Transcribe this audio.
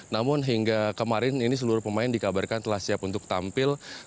namun hingga kemarin ini seluruh pemain dikabarkan telah siap untuk tampil